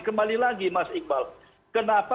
kembali lagi mas iqbal kenapa